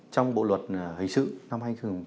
trong bộ luật hình sự năm hai nghìn một mươi năm